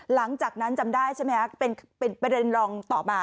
หลังจากนั้นจำได้ใช่ไหมครับเป็นประเด็นรองต่อมา